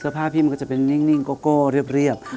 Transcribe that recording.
ผ้าพี่มันก็จะเป็นนิ่งโก้เรียบ